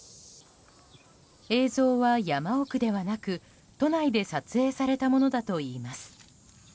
映像は山奥ではなく、都内で撮影されたものだといいます。